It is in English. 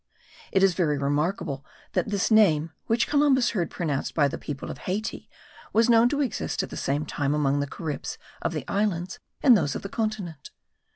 It is very remarkable that this name, which Columbus heard pronounced by the people of Hayti, was known to exist at the same time among the Caribs of the islands and those of the continent.